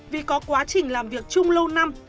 vì có quá trình làm việc chung lâu năm